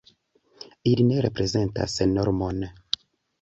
Ili ne reprezentas normon.